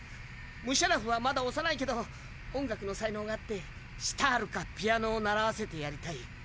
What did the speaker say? ムシャラフはまだ幼いけど音楽の才能があってシタールかピアノを習わせてやりたい。